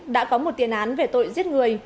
đã có một tiền án về tội giết người